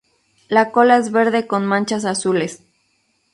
La cola es verde con manchas azules.